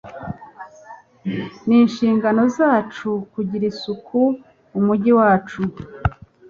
Ni inshingano zacu kugira isuku umujyi wacu.